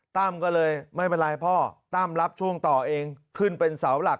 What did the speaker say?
ตั้มก็เลยไม่เป็นไรพ่อตั้มรับช่วงต่อเองขึ้นเป็นเสาหลัก